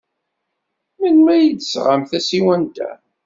Melmi ay d-tesɣamt tasiwant-a?